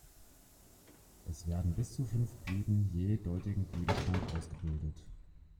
Es werden bis zu fünf Blüten je doldigen Blütenstand ausgebildet.